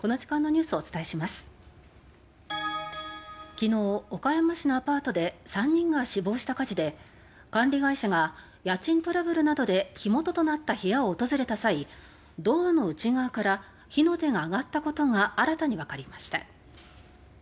昨日、岡山市のアパートで３人が死亡した火事で管理会社が家賃トラブルなどで火元となった部屋を訪れた際ドアの内側から火の手が上がったことが新たに分かりました。